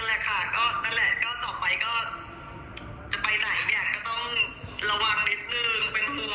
นั่นแหละค่ะก็ต่อไปจะไปไหนก็จะต้องระวังนิดนึง